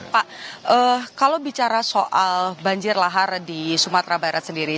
pak kalau bicara soal banjir lahar di sumatera barat sendiri